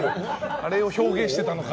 あれを表現してたのか。